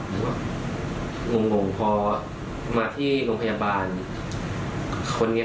และยืนยันเหมือนกันว่าจะดำเนินคดีอย่างถึงที่สุดนะครับ